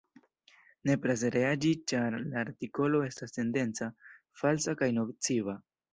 Nepras reagi, ĉar la artikolo estas tendenca, falsa kaj nociva.